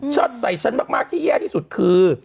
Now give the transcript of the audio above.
ใส่ฉันมากที่แย่ที่สุดคือ